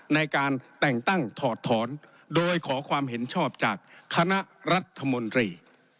ในการแต่งตั้งถอดถอนโดยขอความเห็นชอบจากคณะรัฐมนตรี